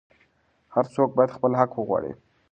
هر څوک باید خپل حق وغواړي.